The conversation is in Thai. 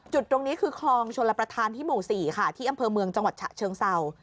จุดตรงนี้คือคลองชลประธานที่หมู่๔ค่ะที่อำเภอเมืองจังหวัดฉะเชิงเศร้า